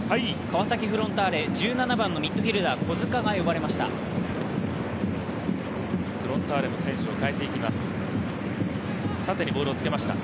川崎フロンターレ、１７番のミッドフィルダー小塚が呼ばれました。